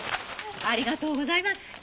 ありがとうございます。